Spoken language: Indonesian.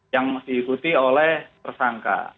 yang diikuti oleh tersangka